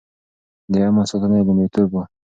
د امن ساتنه يې لومړيتوب و.